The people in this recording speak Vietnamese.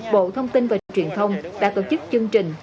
bộ thông tin và truyền thông đã tổ chức chương trình